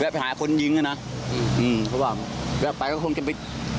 ไปหาคนยิงอ่ะนะอืมอืมเพราะว่าแวะไปก็คงจะไป